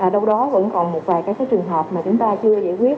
đâu đó vẫn còn một vài cái cái trường hợp mà chúng ta chưa giải quyết